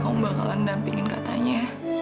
kamu bakalan dampingin katanya